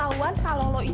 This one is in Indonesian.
anak jawa sekolah b honoris